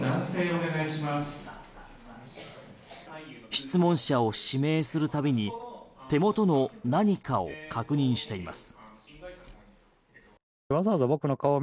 質問者を指名するたびに手元の何かを確認しています。